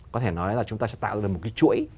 có thể nói là chúng ta sẽ tạo ra một cái chuỗi